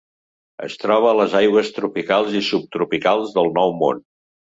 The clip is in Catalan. Es troba a les aigües tropicals i subtropicals del Nou Món.